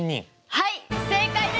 はい正解です！